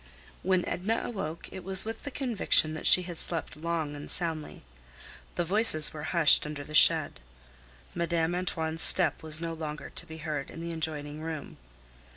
When Edna awoke it was with the conviction that she had slept long and soundly. The voices were hushed under the shed. Madame Antoine's step was no longer to be heard in the adjoining room.